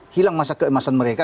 hilang masa keemasan mereka